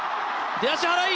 出足払い！